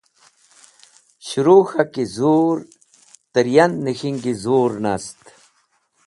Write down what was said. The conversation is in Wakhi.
Shẽru k̃haki zur tẽryand nek̃hingi zur nast.